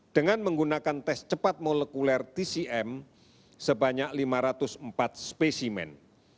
dengan menggunakan tes cepat molekuler tcm sebanyak lima ratus empat spesimen